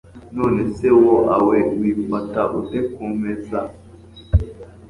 nonese woawe wifata ute kumeza